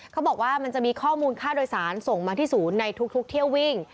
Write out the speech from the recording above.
เขาบอกว่ามันจะมีข้อมูลค่าโดยสารส่งมาที่ศูนย์ในทุกเที่ยววิ่ง